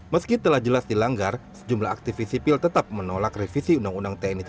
meski telah jelas dilanggar sejumlah aktivis sipil tetap menolak revisi undang undang tni